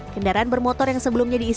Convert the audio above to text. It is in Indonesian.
kendaraan bermotor yang sebelumnya diisi